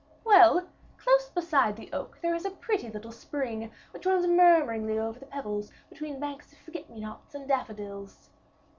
"Well, close beside the oak there is a pretty little spring, which runs murmuringly over the pebbles, between banks of forget me nots and daffodils."